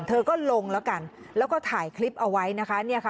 เธอก็ลงแล้วกันแล้วก็ถ่ายคลิปเอาไว้